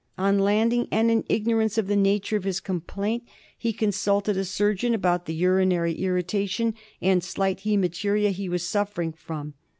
On landing, and in ignorance of the nature of his complaint, he consulted a surgeon about the urinary irritation and slight haematuria he was suffering from.